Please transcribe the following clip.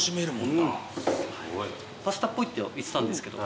パスタっぽいと言ってたんですけど。